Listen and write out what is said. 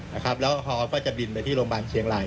แล้วฮอก็จะบินไปที่โรงพยาบาลเชียงราย